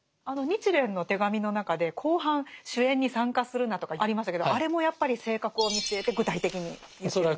あの「日蓮の手紙」の中で後半「酒宴に参加するな」とかありましたけどあれもやっぱり性格を見据えて具体的に言っているんですか？